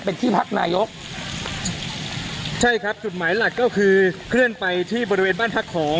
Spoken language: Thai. เป็นที่พักนายกใช่ครับจุดหมายหลักก็คือเคลื่อนไปที่บริเวณบ้านพักของ